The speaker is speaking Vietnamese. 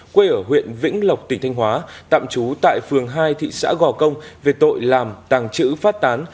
quê ở huyện vĩnh lộc tỉnh thanh hóa tạm trú tại phường hai thị xã gò công về tội làm tàng trữ phát tán